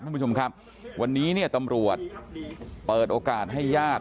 ท่านผู้ชมครับวันนี้เนี่ยตำรวจเปิดโอกาสให้ญาติ